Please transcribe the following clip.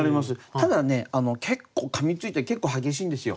ただね結構かみついて結構激しいんですよ。